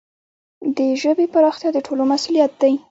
د ژبي پراختیا د ټولو مسؤلیت دی.